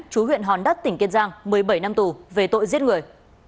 chú huyện hòn đất tỉnh kiên giang một mươi bảy năm tù về tội giết người